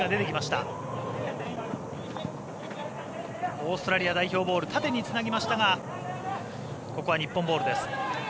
オーストラリア代表ボール縦につなぎましたが、日本ボール。